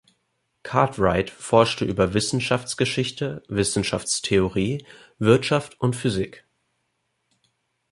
Cartwright forscht über Wissenschaftsgeschichte, Wissenschaftstheorie, Wirtschaft und Physik.